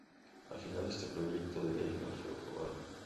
Al final este proyecto de ley no fue aprobado.